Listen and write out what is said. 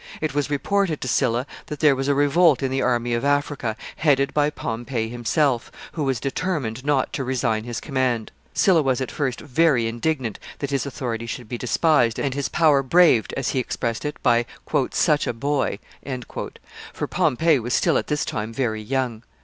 It was reported to Sylla that there was a revolt in the army of Africa, headed by Pompey himself, who was determined not to resign his command. Sylla was at first very indignant that his authority should be despised and his power braved, as he expressed it, by "such a boy;" for Pompey was still, at this time, very young.